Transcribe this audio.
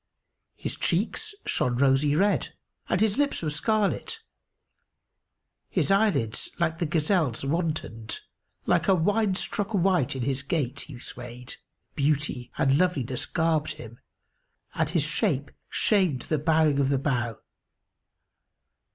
His cheeks shone rosy red and his lips were scarlet; his eyelids like the gazelle's wantoned; like a wine struck wight in his gait he swayed; beauty and loveliness garbed him, and his shape shamed the bowing of the bough.